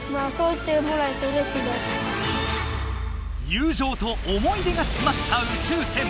友情と思い出がつまった宇宙船。